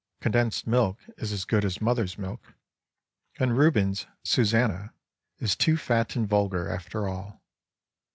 Condensed milk is as good as mother's milk, and Rubens' " Susannah " is too fat and vulgar, after all.